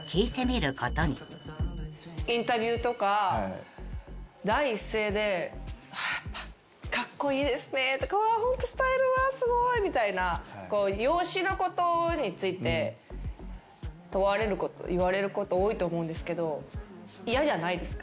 インタビューとか第一声で「やっぱカッコイイですねホントスタイルわすごい」みたいな容姿のことについて問われること言われること多いと思うんですけど嫌じゃないですか？